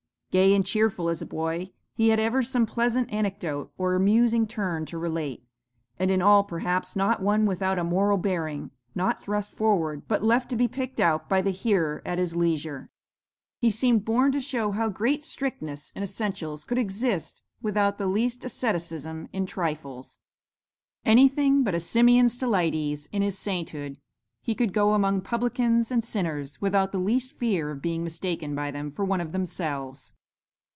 Gay and cheerful as a boy, he had ever some pleasant anecdote or amusing turn to relate, and in all perhaps not one without a moral bearing, not thrust forward, but left to be picked out by the hearer at his leisure. He seemed born to show how great strictness in essentials could exist without the least asceticism in trifles. Anything but a Simeon Stylites in his sainthood, he could go among 'publicans and sinners' without the least fear of being mistaken by them for one of themselves.